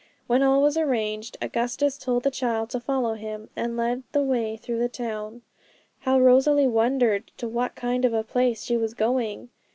When all was arranged, Augustus told the child to follow him, and led the way through the town. How Rosalie wondered to what kind of a place she was going!